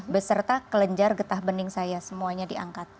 beserta kelenjar getah bening saya semuanya diangkat